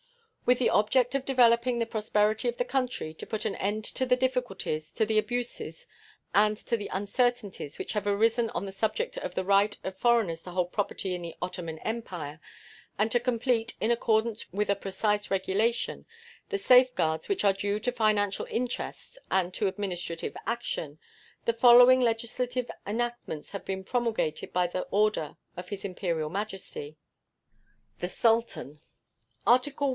With the object of developing the prosperity of the country, to put an end to the difficulties, to the abuses, and to the uncertainties which have arisen on the subject of the right of foreigners to hold property in the Ottoman Empire, and to complete, in accordance with a precise regulation, the safeguards which are due to financial interests and to administrative action, the following legislative enactments have been promulgated by the order of His Imperial Majesty the Sultan: ARTICLE I.